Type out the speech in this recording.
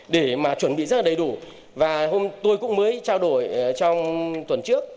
để mà chuẩn bị rất là đầy đủ và hôm tôi cũng mới trao đổi trong tuần trước